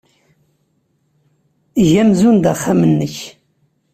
Eg amzun d axxam-nnek.